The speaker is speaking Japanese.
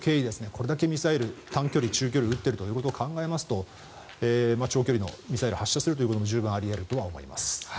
これだけミサイル単距離、中距離撃ってることを考えますと長距離ミサイルを発射することも十分あり得ると思います。